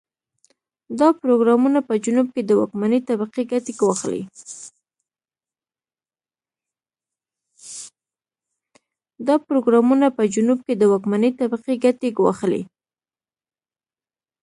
دا پروګرامونه په جنوب کې د واکمنې طبقې ګټې ګواښلې.